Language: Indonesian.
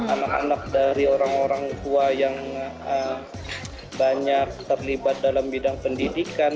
anak anak dari orang orang tua yang banyak terlibat dalam bidang pendidikan